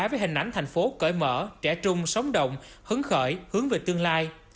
với hình ảnh thành phố cởi mở trẻ trung sóng động hứng khởi hướng về tương lai